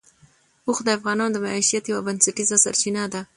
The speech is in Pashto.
اوښ د افغانانو د معیشت یوه بنسټیزه سرچینه ده.